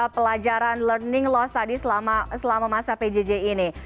pelajaran learning loss tadi selama masa pjj ini